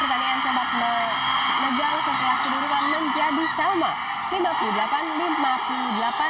pertandingan sempat menjauh setelah kedudukan menjadi sama